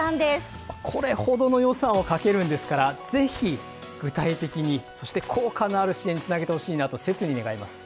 これほどの予算をかけるんですから是非具体的にそして効果のある支援につなげてほしいなと切に願います。